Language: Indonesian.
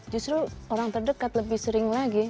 justru orang terdekat lebih sering lagi